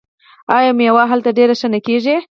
آیا میوه هلته ډیره ښه نه کیږي؟